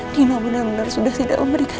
dina benar benar sudah tidak memberdikati